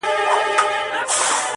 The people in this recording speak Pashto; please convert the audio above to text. پر غزل مي دي جاګیر جوړ کړ ته نه وې؛